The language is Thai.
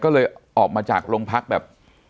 ก็เลยออกมาจากโรงพักแบบ